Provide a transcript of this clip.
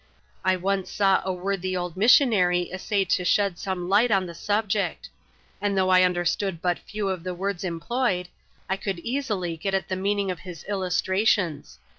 I once saw a worthy old missionary essay to shed some light on the subject ; and though I imderstood but few of the words employed, I could easily get at the meaning. of his illustrations.